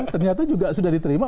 ternyata juga sudah diterima